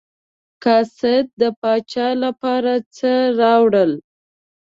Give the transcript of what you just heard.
قاصد د پاچا لپاره څه راوړل.